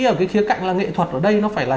ở cái khía cạnh là nghệ thuật ở đây nó phải là